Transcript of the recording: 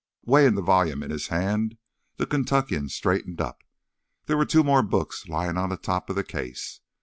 Weighing the volume in his hand, the Kentuckian straightened up. There were two more books lying on the top of the case.